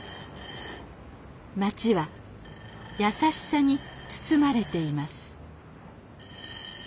町は優しさに包まれています。